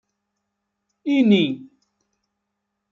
Ini.